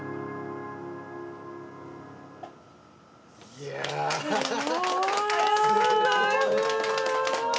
いやすっごい！